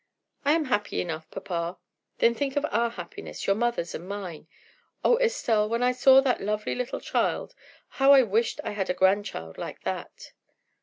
"I am happy enough, papa." "Then think of our happiness your mother's and mine. Oh, Estelle! when I saw that lovely little child, how I wished I had a grandchild like that!"